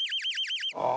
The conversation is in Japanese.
ああ。